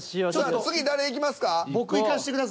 次誰いきますか？